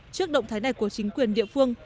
trước động thái này của chính quyền địa phương